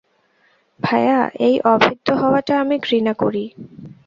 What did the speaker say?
ভায়া, এই অভেদ্য হওয়াটা আমি ঘৃণা করি।